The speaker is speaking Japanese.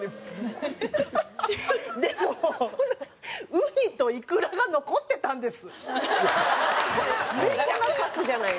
ウニとイクラが残ってたんです。